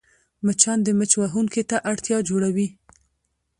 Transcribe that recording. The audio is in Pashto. مچان د مچ وهونکي ته اړتیا جوړوي